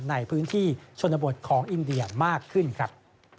ในพื้นที่ชนบทของอินเดียมากขึ้นครับ